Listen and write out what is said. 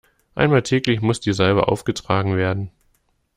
Einmal täglich muss die Salbe aufgetragen werden.